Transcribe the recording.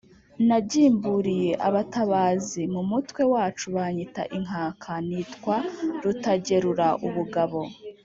nagimbuliye abatabazi mu mutwe wacu banyita inkaka, nitwa Rutagerura ubugabo